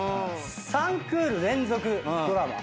３クール連続ドラマ。